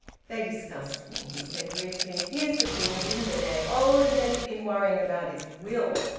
"They disgust me," he said briefly. "Here the thing isn't a day old, and they begin worrying about his will!